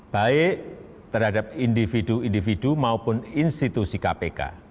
baik terhadap individu individu maupun institusi kpk